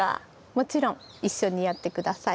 もちろん一緒にやって下さい。